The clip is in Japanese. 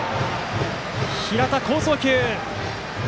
平田、好送球！